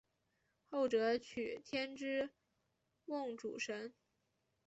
后者娶天之瓮主神。